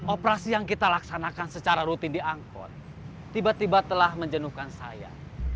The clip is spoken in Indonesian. operasi yang kita laksanakan secara rutin di angkot tiba tiba telah menjenuhkan saya